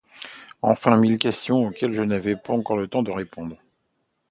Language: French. Enfin mille questions auxquelles je n’avais pas le temps de répondre.